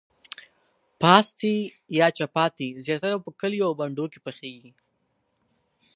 پاستي یا چپاتي زیاتره په کلیو او بانډو کې پخیږي په پښتو ژبه.